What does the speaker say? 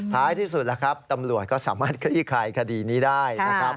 ท้ายที่สุดแล้วครับตำรวจก็สามารถขี้คายคดีนี้ได้นะครับ